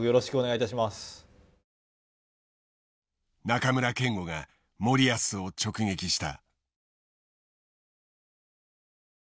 中村憲剛が森保を直撃した。